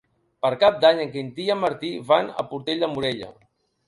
Per Cap d'Any en Quintí i en Martí van a Portell de Morella.